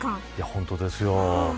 本当ですよ。